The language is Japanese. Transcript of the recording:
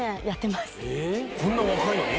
こんな若いのに？